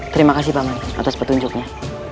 terima kasih pak mandi atas petunjuknya